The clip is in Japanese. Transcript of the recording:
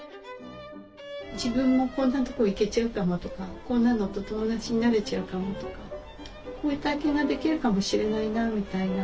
自分もこんなとこ行けちゃうかもとかこんなのと友達になれちゃうかもとかこういう体験ができるかもしれないなみたいな。